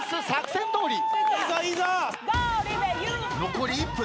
残り１分。